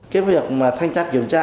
cái việc mà thanh chắc kiểm tra